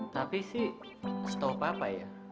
tapi sih setau papa ya